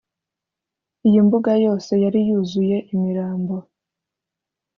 iyi mbuga yose yari yuzuye imirambo